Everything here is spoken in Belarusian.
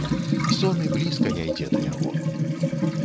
Сон і блізка не ідзе да яго.